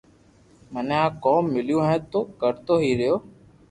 مني آ ڪوم ميليو ھي تو ڪرتو ھي رھيو